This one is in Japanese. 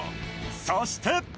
そして